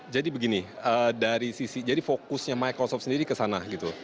jadi begini dari sisi jadi fokusnya microsoft sendiri ke sana gitu